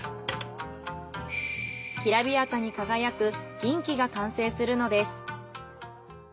きらびやかに輝く銀器が完成するのです。